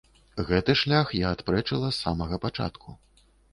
Гэты шлях я адпрэчыла з самага пачатку.